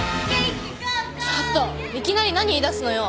ちょっといきなり何言いだすのよ。